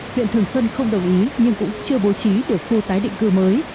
huyện thường xuân không đồng ý nhưng cũng chưa bố trí được khu tái định cư mới